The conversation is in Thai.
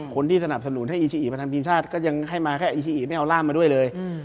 คนที่สนับสนุนให้อีซีอิมาทำทีมชาติก็ยังให้มาแค่อีซีอิไม่เอาร่ามมาด้วยเลย